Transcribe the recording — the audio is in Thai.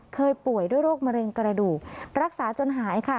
ป่วยด้วยโรคมะเร็งกระดูกรักษาจนหายค่ะ